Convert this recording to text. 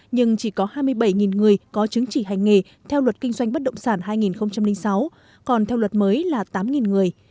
nhưng chỉ có hai mươi bảy người có chứng chỉ hành nghề theo luật kinh doanh bất động sản hai nghìn sáu còn theo luật mới là tám người